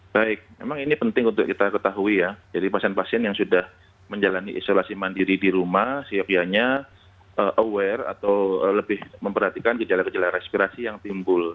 baik memang ini penting untuk kita ketahui ya jadi pasien pasien yang sudah menjalani isolasi mandiri di rumah siap siapnya aware atau lebih memperhatikan gejala gejala respirasi yang timbul